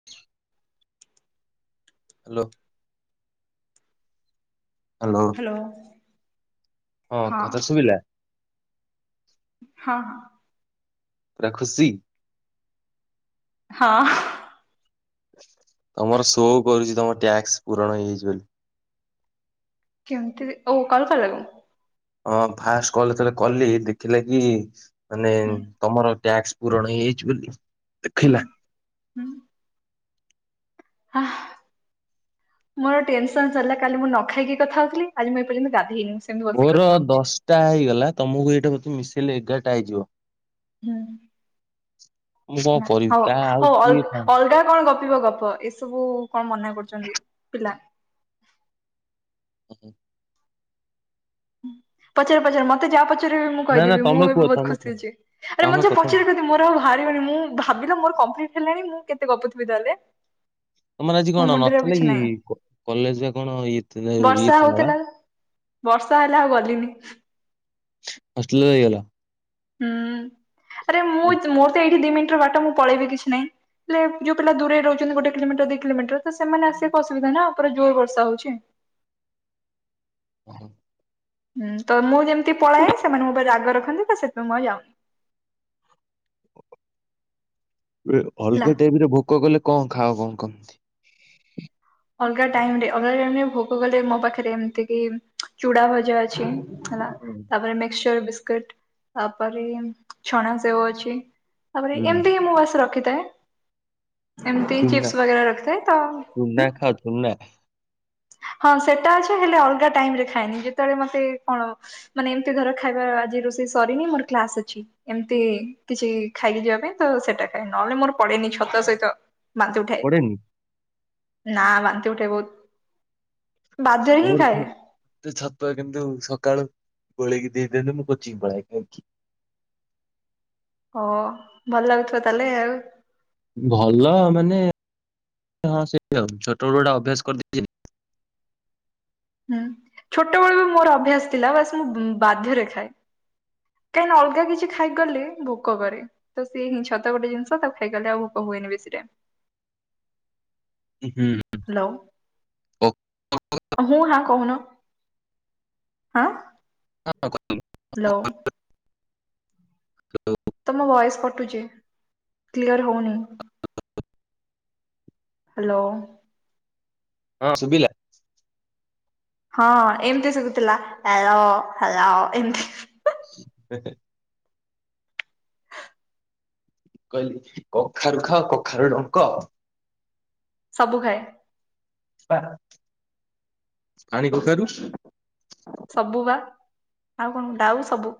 [inaudible] Hello. Hello. ଲୋ। ହଁ, କଥା ଶୁଭିଲା? ହଁ। ପୁରା ଖୁସି। ହଁ [inaudible] ତମର ସୋ କରୁଚି, ତମର ଟ୍ୟାକ୍ସ ପୂରଣ ହେଇଯାଇଚି ବୋଲି। କେମିତି, ଓ କଲ୍ କଲକି? ହଁ, ଫାଷ୍ଟ କଲ୍ ଯେତେବେଳେ କଲି, ଦେଖିଲା କି, [inaudible] ମାନେ ହୁଁ ତମର ଟ୍ୟାକ୍ସ ପୂରଣ ହେଇଯାଇଚି ବୋଲି [inaudible] ଦେଖେଇଲା। [inaudible] ହୁଁ [inaudible] [unintelligible] ମୋର ଟେନସନ ସରିଲା, କାଲି ମୁଁ ନ ଖାଇକି କଥା ହଉଥିଲି, ଆଜି ମୁଁ ଏ ପର୍ଯ୍ୟନ୍ତ ଗାଧେଇନି। ସେମିତି ବସିକି ମୋର, କଥା ହଉଛି। ଦଶଟା ହେଇଗଲା, ତମକୁ ଏଇଟାକୁ ବୋଧେ ମିଶେଇଲେ ଏଗାରଟା ହେଇଯିବ। ହୁଁ। ମୁଁ କଣ ନା, କରିବି ହଉ, କାହା ଆଉ ହଉ ଅଲ କିଏ ଫାଙ୍କା ଅଲଗା କଣ ଗ [unintelligible] ଗପ ଏସବୁ କଣ ମନା କରୁଚନ୍ତି [inaudible] ପିଲା। ଆଜ୍ଞା [inaudible] ପଚାର, ପଚାର ମତେ ଯାହା ପଚାରେ ବି ମୁଁ ନା ନା କହିଦେବି, ମୁଁ ତମେ କୁହ ଏବେ ବହୁତ ତମେ ଖୁସି କୁହ ଅଛି-ଆରେ ତମେ ମତେ କୁହ ତମେ ପଚାରୁ ଆ, ମୋର ଆଉ ବାହାରିବନି, ମୁଁ ଭାବିଲ ମୋର କମ୍ପ୍ଲିଟ ହେଲାଣି ମୁଁ କେତେ ଗପୁଥିବି ତାହେଲେ। ତମର ଆଜି ମୋ କଣ ମୁଣ୍ଡରେ ଆଉ ନଥିଲେ କିଛି କି? ନାହିଁ କ କଲେଜ ରେ କଣ ଇଏ ବର୍ଷା ଇଏ ଥିଲାପା। ହଉଥିଲା [unintelligible] ହେଲା ଆଉ ଗଲିନି। [inaudible] ହଷ୍ଟେଲ ର ରହିଗଲ। ହୁଁ [inaudible] ଆରେ ମୁଁ ତ ମୋର ତ ଏଇଠି ଦି ମିନିଟର ବାଟ ମୁଁ ପଳେଇବି କିଛି ନାହିଁ। ଆରେ, ଯୋଉ ପିଲା ଦୂରରେ ରହୁଛନ୍ତି, ଗୋଟେ କିଲୋଟର, ଦି କିଲୋମିଟର ତ, ସେମାନେ ଆସିବାକୁ ଅସୁବଧା ନା ଜୋରେ ବର୍ଷା ହଉଚି। [unintelligible] ହୁଁ, ତ ମୁଁ ଯେମିତି ପଳାଏ, ସେମାନେ ମୋ ଉପରେ ରାଗ ରଖନ୍ତି ତ, ସେଥିପାଇଁ ମୁଁ ଆଉ ଯାଉନି। ରେ, ହେଲା। ଅଲଗା ଟାଇମରେ ଭୋକ କଲେ କଣ ଖାଅ କଣ କେମିତି? ଅଲଗା ଟାଇମରେ, ଅଲଗା ଟାଇମରେ ଭୋକ କଲେ, ମୋ ପାଖରେ ଏମିତି କିି ଚୁଡା ଭଜା ଅଛି, ହେଲା। ହୁଁ। ତାପରେ ମିକ୍ସଚର, ବିସ୍କିଟ, ତାପରେ -ଛଣା ସେଉ ଅଛି। ତାପରେ ହୁଁ ଏମିତି ହିଁ ମୁଁ ବାସ ରଖିଥାଏ। ଏମିତି ଚୁନା ଚିପ୍ସ ବଗେରା ରଖିଥାଏ ତ ଚୁନା ହୁଁ ଖାଅ ଚୁନା? ହଁ ସେଟା ଅଛି ହେଲେ ଅଲଗା ଟାଇମରେ ଖାଏ। ଯେତେବେଳେ ମତେ କଣ ମାନେ ଏମିତି ଧର ଖାଇବା ଆଜି ରୋଷଇ ସରିନି ମୋର କ୍ଲାସ ଅଛି ଏମିତି କିଛି ଖାଇକି ଯିବା ପାଇଁ ତ ସେଟା ଖାଏ ନହେଲେ ମୋର ପଡେନି ଛତୁଆ ସହିତ। ବାନ୍ତି ଉଠାଏ ପଡେନି ନା ବାନ୍ତି ଉଠେ ବହୁତ। ବାଧ୍ୟରେ ହିଁ ଖାଏ [unintelligible] ତ ଛତୁଆ କିନ୍ତୁ ସକାଳୁ ଗୋଳିକି ଦେଇ ଦିଅନ୍ତୁ ମୁଁ କୋଚିଂ ପଳାଏ ଖାଇକି। ହ ଭଲ ଲାଗୁଥିବ ତାହେଲେ ଆଉ। ଭଲ ମାନେ ହଁ ସେ ଆଉ ଛୋଟ ବେଳୁ ଗୁଟା ଅଭ୍ୟାସ କରିଦେଇଛି ହୁଁ ଛୋଟବେଳୁ ବି ମୋର ଅଭ୍ୟାସ ଥିଲା ବାସ ମୁଁ ବାଧ୍ୟରେ ଖାଏ। କାହିଁକିନା ଅଲଗା କିଛି ଖାଇଗଲେ ଭୋକ କରେ। ତ ସିଏ ଛତୁଆ ଗୋଟେ ଜିନିଷ ତାକୁ ଖାଇକିଗଲେ ଆଉ ଭୋକ ହୁଏନି ବେଶୀ ଟାଇମ୍। ହୁଁ। ହ୍ୟାଲୋ। କ- ହୁଁ ନା କହୁନ ଆଁ? [unintelligible] ହ୍ୟାଲୋ। [unintelligible] ତମ ଭଏସ କଟୁଛି କ୍ଲିୟର ହଉନି। ହ୍ୟାଲୋ। ହଁ ସୁବିଲା? ହଁ ଏମିତି ଶୁବୁଥିଲା ହେଲୋ ହେଲୋ ଏମିତି। [unintelligible] କହିଲି କଖାରୁ ଖାଅ କଖାରୁ ଡ଼ଙ୍କ? ସବୁ ଖାଏ। ବା ପାଣି କଖାରୁ? ସବୁ ବା ଆଉ କଣ ଡାଉ ସବୁ।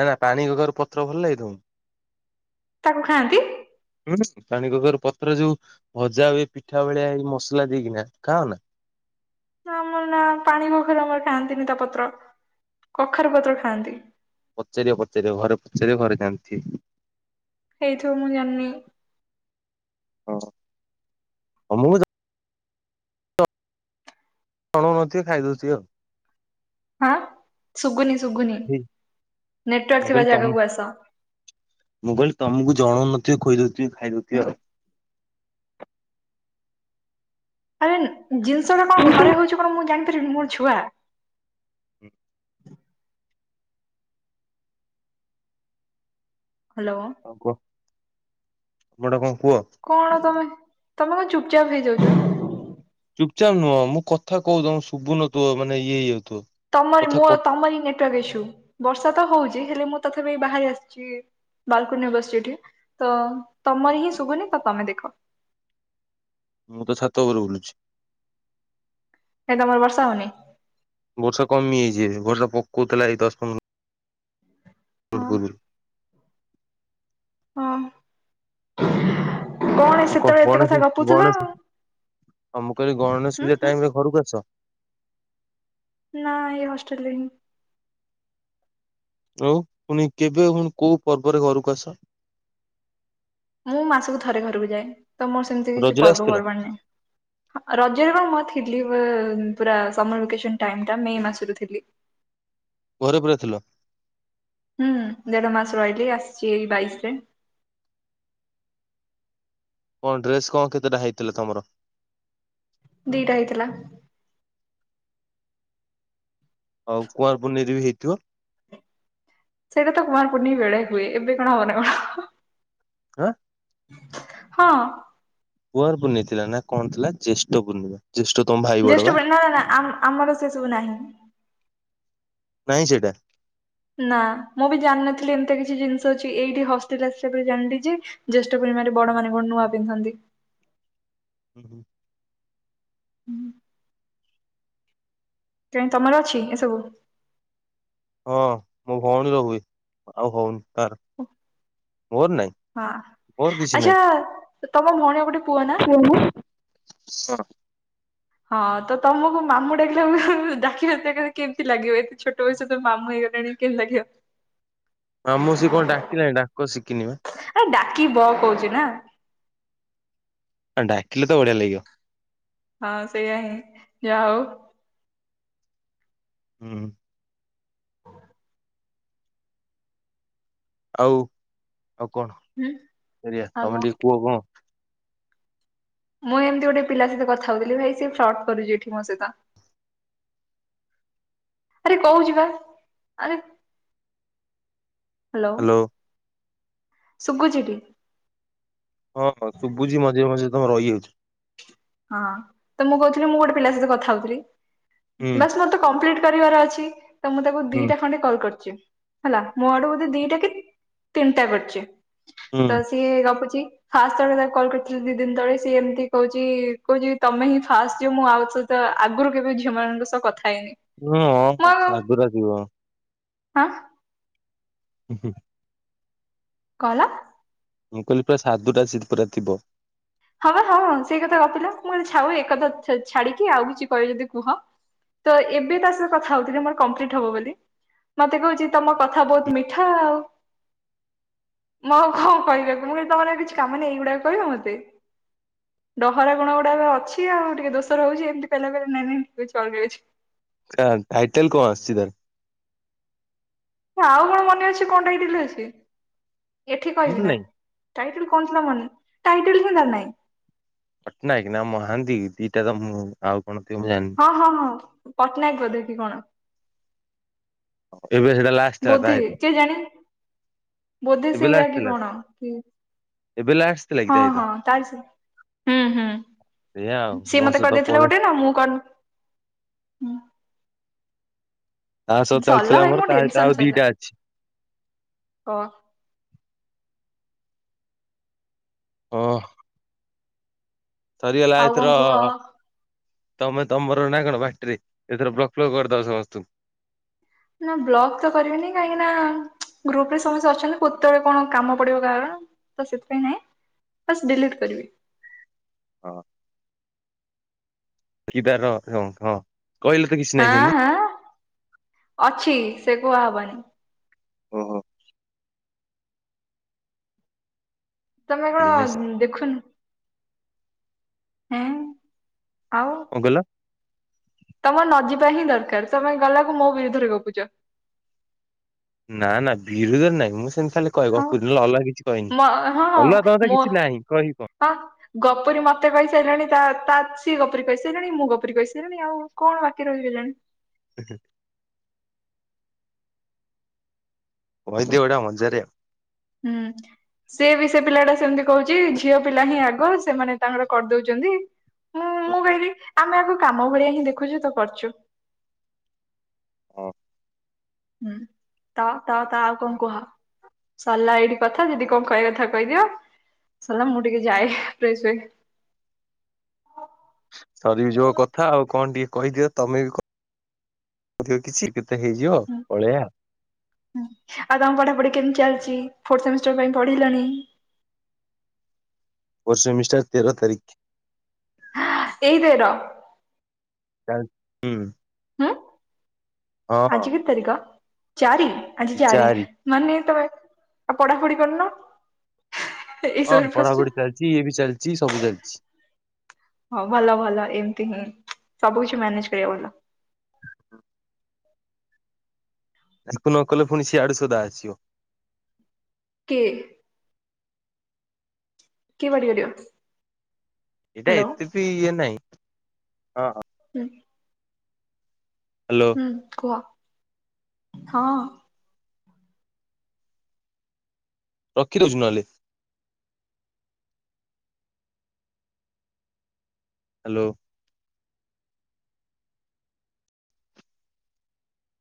ନା ନା ପାଣି କଖାରୁ ପତ୍ର ଭଲ ଲାଗେ ତମୁ? ତାକୁ ଖାଆନ୍ତି। ହୁଁ ପାଣି କଖାରୁ ପତ୍ର ଯୋଉ ଭଜା ହୁଏ ପିଠା ଭଳିଆ ଏଇ ମସଲା ଦେଇକିନା ଖାଅ ନା? ନା ଆମର ନା ପାଣି କଖାରୁ ଆମର ଖାଆନ୍ତିନି ତା ପତ୍ର କଖାରୁ ପତ୍ର ଖାଆନ୍ତି। ପଚାରିବ ପଚାରିବ ଘରେ ପଚାରିବ ଘରେ ଜାଣିଥିବେ। ହେଇଥିବ ମୁଁ ଜାଣିନି। ହଁ ମୁଁ [unintelligible] ଥିବ ଖାଇଦଉଛି ଆଉ। ହଁ ଶୁଗୁନି ଶୁଗୁନି ହେଇ ନେଟୱାର୍କ ମୁଁ ଥିବା କହିଲି ତମ ଜାଗାକୁ ଆସ। ମୁଁ କହିଲି ତମକୁ ଜଣଉନଥିବେ ଖୋଇଦଉଥିବେ ଖାଇଦଉଥିବ ଆଉ। ଆରେ ଜିନିଷଟା କଣ ଘରେ ହଉଛି କଣ ମୁଁ ଜାଣିପାରିବିନି ମୁଁ ଛୁଆ। ଆଉ। ହ୍ୟାଲୋ। କଣ କଣଟା କୁହ। କଣ ତମେ ତମେ କଣ ଚୁପଚାପ୍ ହେଇଯାଉଛ? ଚୁପଚାପ ନୁହଁ ମୁଁ କଥା କହୁ ତମ ଶୁଭୁନଥିବ ମାନେ ଇଏ ହେଇଯାଉଥିବ। ତମରି କଥା କ ମୁଁ ତମରି ନେଟୱାର୍କ ଇସୁ ବର୍ଷା ତ ହଉଛି ହେଲେ ମୁଁ ତଥାପ ବାହାରି ଆସିଛି। ବାଲକୋନୀ ରେ ବସିଛି ଏଠି ତମର ହିଁ ଶୁଭୁନି ତ ତମେ ଦେଖ। ମୁଁ ତ ଛାତ ଉପରେ ବୁଲୁଛି। କାଇଁ ତମର ବର୍ଷା ହଉନି। ବର୍ଷା କମଯାଇଛି ବର୍ଷା ପକଉ ଥିଲା ଏଇ ଦଶ ପନ୍ଦର ମିନିଟ୍ ହଁ ପୂର୍ବୁରୁ। ହଁ। କଣ ଆଉ ଗ ସେତେବେଳେ ଏତେ କଥା -ଗଣେଶ ଗପୁଥିଲ? ଗଣେଶ ଆଉ ମୁଁ କହିଲି ଗଣେଶ ହୁଁ ପୂଜା ହୁଁ ଟାଇମ୍ ରେ ଘରକୁ ଆସ। ନା ଏଇ ହଷ୍ଟେଲ ରେ ହିଁ। ଆଉ ପୁଣି କେବେ ହୁଁ କୋଉ ପର୍ବରେ ଘରକୁ ଆସ? ମୁଁ ମାସକୁ ଥରେ ଘରକୁ ଯାଏ ତ ମୋର ସେମିତି କିଛି ରଜରେ ପର୍ବ ଆସିଥିଲ ପର୍ବାଣି ନାହିଁ। ଆ ରଜରେ ପା ମୁଁ ଥିଲି ପୁରା ସମର ଭେକସନ ଟାଇମ୍ ଟା ମେ ମାସରୁ ଥିଲି। ଘରେ ପୁରା ଥିଲ? ହୁଁ ଦେଢ ମାସ ରହିଲି ଆସିଛି ଏଇ ବାଇଶ୍ ରେ। କଣ ଡ୍ରେସ୍ କଣ କେତେଟା ହେଇଥିଲା ତମର? ଦିଟା ହେଇଥିଲା। ଆଉ କୁଆଁର ପୁନେଇ ରେ ବି ହେଇଥିବ। ସେଇଟା ତ କୁଆଁର ପୁନେଇ ବେଳେ ହୁଏ ଏବେ କଣ ହବ ନା କଣ? ଆଁ। ହଁ। କୁଆଁର ପୁନେଇଥିଲା ନା କଣ ଥିଲା ଜ୍ୟେଷ୍ଠ ପୂର୍ଣ୍ଣିମା? ଜେଷ୍ଟ ତମ ଭାଇ? ବଡ ବା ଜ୍ୟେଷ୍ଠ ପୁନେଇ ନା ନା ଆମର ସେ ସବୁ ନାହିଁ। ନାହିଁ ସେଇଟା? ନା ମୁଁ ବି ଜାଣିନଥିଲି ଏମିତି କିଛି ଜିନିଷ ଅଛି ଏଇଠି ହଷ୍ଟେଲ୍ ଆସିବା ପରେ ଜାଣିଲି ଜେ ଜେଷ୍ଟ ପୂର୍ଣ୍ଣିମା ରେ ବଡ ମାନ କଣ ନୂଆ ପିନ୍ଧନ୍ତି। ହୁଁ, ହୁଁ। ହୁଁ, ହୁଁ। ତେଣୁ ତମର ଅଛି ଏସବୁ। ହଁ ମୋ ଭଉଣୀ ର ହୁଏ ଆଉ ହଉନି ତାର ମୋର ନାଇଁ। ହଁ ମୋର କିଛି ନାଇଁ। ଆଚ୍ଛା ତମ ଭଉଣୀ ର ଗୋଟେ ପୁଅ ନା। [unintelligible] ସର। ହଁ ତମକୁ ତ ମାମୁଁ ଡାକିଲା ବେଳକୁ ଡାକିବା ସେଇଟା କେମିତି ଲାଗିବ ଏତେ ଛୋଟ ବୟସ ରୁ ତମେ ମାମୁ ହେଇଗଲଣି [unintelligible] କେମିତି ଲାଗିବ? ମାମୁଁ ସିଏ କଣ ଡାକିଲାଣି ଡାକ ଶିଖିନି ବା। ଏ ଡାକିବ କହୁଛି ନା। ଆ ଡାକିଲେ ତ ବଢିଆ ଲାଗବ। ହଁ ସେଇଆ ହିଁ ଯାହା ହଉ। ହୁଁ। ଆଉ ଆଉ କଣ ହୁଁ ଫେରିଆ ଆଉ ତମେ କଣ ଟିକେ କୁହ କଣ [unintelligible] ମୁଁ ଏମିତି ଗୋଟେ ପିଲା ସହିତ କଥା କଉଥିଲି ଭାଇ ସେ ଫ୍ରଡ୍ କରୁଛି ଏଠି ମୋ ସହିତ। ଆରେ କହୁଚି ବା ଆରେ ହାଲୋ ହ୍ୟାଲୋ ସୁଗୁଛି ଟି? ହଁ ହଁ ଶୁଭୁଛିି ମଝିରେ ମଝିରେ ତମେ ରହିଯାଉଛି। ହଁ ତ ମୁଁ କହୁଥିଲି ମୁଁ ଗୋଟେ ପିଲା ସହିତ କଥା ହଉଥିଲି ହୁଁ ବାସ ମତେ କମ୍ପ୍ଲିଟ କରିବାର ଅଛି ତ ମୁଁ ତାକୁ ହୁଁ ଦିଟା ଖଣ୍ଡେ କଲ୍ କରିଛି ହେଲା ମୋ ଆଡୁ ବୋଧେ ଦିଟା କି ତିନିଟା କରିଛି। ହୁଁ ତ ସିଏ ଗପୁଛି ଫାଷ୍ଟ ଜେତବେଳେ ତାକୁ କଲ୍ କରିଥିଲେ ଦି ଦିନ ତଳେ ସିଏ ଏମିତି କହୁଛି [unintelligible] କହୁଛି ତମେ ହିଁ ଫାଷ୍ଟେ ମୁଁ ଆଉ ସହିତ ଆଗରୁ କେବେ ଝିଅ ମାନଙ୍କ ସହ କଥା ହେଇନି। ହୁଁ ହଁ ସାଧୁଟା ଥିବ। ହାଁ। ହୁଁ ହୁଁ। କଁହେଲା? ମୁଁ କହିଲି ପୁରା ସାଧୁଟା ଶେ ପୁରା ଥିବ। ହଁ ହଁ ସେଇ କଥା ଗପିଲା ମୁଁ ଛାଉ ଏକଥା ଛାଡିକି ଆଉ କିଛି କହିବ ଯେଦି କୁହ। ତ ଏବେ ତା ସହିତ କଥା ହୋଉଥିଲି ମୋର କମ୍ପ୍ଲିଟ ହବ ବୋଲି ମତେ କହୁଚି। ତମ କଥା ବହୁତୁ ମିଠା ଆଉ। ମୁଁ ଆଉ କଣ କହିତାକୁ ମୁଁ ତମର ଆଉ କିଛି କାମ ନାହିଁ ଏଇଗୁଡାକ କହିବ ମତେ। ଡହରା ଗୁଣ ଗୁଡା ଅଛି ଆଉ ଟିକେ ଦୋଷ ରହୁଚି ଏମିତି ପେଲାପେଲି ନେନେ ଟିକେ ଚଳି ଯାଉଚି। କ ଟାଇଟେଲେ କଣ ଆସିଛି ତାର। ଆଉ କଣ ମନେ ଅଛି କଣଟେ ହେ ଅଛି ଏଠି ମୁଁ କହିଥିଲା। ନାଇଁ ଟାଇଟେଲେ କଣ ଥିଲା ମନେ ଟାଇଟେଲେ ବି ମନେ ନହିଁ। ପଟ୍ଟନାୟେକେ ନା ମହାନ୍ତି ଦିଟା ତ ମୁଁ ଆଉ କଣ ଥିବ ମୁଁ ଜାଣିନେହିଁ। ହଁ ହଁ ହଁ ପଟ୍ଟନାୟେକେ ବୋଧେ କି କଣ? କେବେ ସେଇଟା ଲା ବୋଧି କିଏ ଜାଣି ବୋଧେ ଏବେ ସେଇଆା ଲାଷ୍ଟ କି ଥିଲା କଣ? ଏବେ ଲାଷ୍ଟ ଥିଲା କି ହଁ ତା ସହିତ ହଁ ତା ହୁଁ ହୁଁ। ସେଇଆ ଆଉ ସିଏ ମୋ ମତେ ସହିତ କରିଦେଇଥିଲା ପଳେ ଗୋଟେ ନା ମୁଁ କଣ? ତା ସହ ସରିଲା ଚାଲିଥିଲା ଭାଇ ମୋର ମୋ ତା ସହିତ ଆଉ ଟେନେସନ୍ ସଇଲା ଦିଟା ଅଛି ହ। ହ। ସରି ଗଲା ଆଉ କଣ ଏଥର। କୁହ ତମେ ତମର ନା କଣ ବାଟରେ ଏଥର ବ୍ଲକ୍ ଫ୍ଲକ୍ କରିଦବ ସମସ୍ତଙ୍କୁ। ନା ବ୍ଲକ୍ ତ କରିମିନେହିଁ କାହିଁକି ନା ଗ୍ରୁପ୍ ରେ ସମସ୍ତେ ଅଛନ୍ତି କେତୋଳେ କଣ କାମ ପଡିବ କାହାର ତ ସେଥିପାଇଁ ନାଇଁ ପାସ୍ ଡିଲିଟ୍ କରିବି। ହଁ। ଫ୍ରି ତାର ଭ୍ୟ ହଁ। କହିଲେ ତ କିଛି। ନାହିଁ ହଁ ସେମିତି ହଁ ଅଛି ସେ କୁହା ହବନେହିଁ। ଓ ହୋ। ତମେ ମେସେଜ କଣ ଦେଖୁନୁ? ହୁଁ ଆଉ। କଣ କହିଲ? ତମ ନ ଯିବା ହିଁ ଦରକାରେ ତମେ ଗଲାକୁ ମୋ ବିରୁଦ୍ଧରେ ଗପୁଚ। ନା ନା ବିରୁଧର ନାହିଁ ମୁଁ ସେମିତି ଖାଲି କହିବ ଆଉ ବୁଝିଲ ଅଲ୍ଗା କିଛି କହିନି ମ ଅଲ୍ଗା ତମ ତ କିଛି ନାହିଁ କହିବି କଣ। ଆ। ଗପୁରୀ ମତେ କହିସାରିଲାଣି ତା ତା ସିଏ ଗପୁରୀ କହିସାରିଲାଣି ମୁଁ ଗପୁରୀ କହିସାରିଲିଣି ଆଉ କଣ ବାକି ରହିଚିକେଯାଣି। [inaudible] କହିଦିଅ ବଡିଆ ମଜାରେ। ହୁଁ। ସେ ବି ସେ ପିଲା ଟା ସେମିତି କହୁଚି ଝିଅ ପିଲା ହିଁ ଆଗ ସେମାନେ ତାଙ୍କର କରିଦୋଉଚନ୍ତି। ହୁଁ ଆଉ ମୁଁ କହିଲି ଆମେ ଆକୁ କାମ ଭଳିଆ ହିଁ ଦେଖୁଚୁ ତ କରୁଚୁ। ଓ ହୁଁ, ତ ତ ତ ଆଉ କଣ କୁହ? ସରଲା ଏଇଠି କଥା ଯଦି କଣ କହିବା କଥା କହିଦିଅ ସରଲା ମୁଁ ଟିକେ ଯାଏ ଫ୍ରେସ୍ ହୁଏ। ସରିବି ଯିବ କଥା ଆଉ କଣ ଟିକେ କହିଦିଅ? ତୋମେ ବି କ- [inaudible] କିଛି କ ଥା ହେଇଯିବ ପଳେଇଆ। ହଁ ଆଉ ତୋମ ପଢାପଢି କେମିତି ଚାଲିଛି? ଫୋର୍ ସେମିଷ୍ଟାର ପାଇଁ ପଢିଲଣି? ଫୋର୍ ସେମିଷ୍ଟାର ତେର ତାରିଖ। ହଁ ଏଇ ତେର? ଚାଲ ହୁଁ, ହୁଁ, ହଁ ଆଜି କେତେ ତାରିଖ ଚାରି ଆଜି ଚାରି। ମାନେ ତୋମେ ଆଉ ପଢାପଢି କରୁନ। ଏଇ ହଁ ସରି ଫସି ପଢାପଢି ଚାଲିଛି ଇଏ ବି ଚାଲିଛି ସବୁ ଚାଲିଛି। ହଁ ଭଲ ଭଲ ଏମତି ହିଁ ସବୁ କିଛି ମ୍ୟାନେଜ୍ କରିବା ଭଲ। ଆକୁ ନ କଲେ ପୁଣି ସିଆଡୁ ସୁଦା ଆସିବ। କିଏ? କିଏ ପାଟି କରିବ? ଏଇଟା ହ୍ୟାଲୋ ଏତେ ବି ଇଏ ନାହିଁ। ହୁଁ। ହ୍ୟାଲୋ। ହୁଁ, କୁହ ହଁ। ରଖିଦଉଛୁ ନହେଲେ? ହ୍ୟାଲୋ।